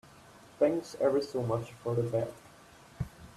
Thanks ever so much for the bag.